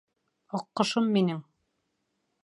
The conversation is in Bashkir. «АҠҠОШОМ МИНЕҢ!»